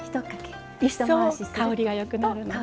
一層香りがよくなるのね。